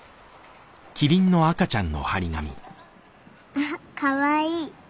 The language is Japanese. あっかわいい。